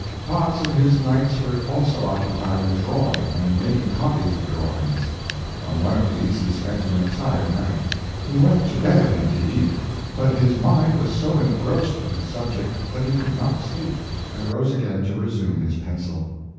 Parts of his nights were also occupied in drawing and making copies of drawings. On one of these he spent an entire night. He went to bed, indeed, but his mind was so engrossed with the subject that he could not sleep, and rose again to resume his pencil.